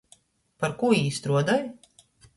Par kū jī struodoj?